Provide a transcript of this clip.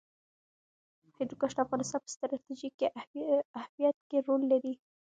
هندوکش د افغانستان په ستراتیژیک اهمیت کې رول لري.